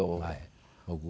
僕は。